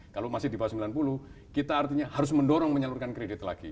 kalau masih di bawah sembilan puluh kita artinya harus mendorong menyalurkan kredit lagi